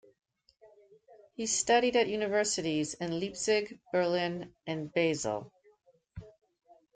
He studied at universities in Leipzig, Berlin, and Basel.